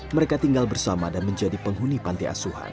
mereka tinggal bersama dan menjadi penghuni panti asuhan